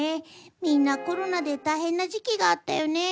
みんなコロナでたいへんな時きがあったよね。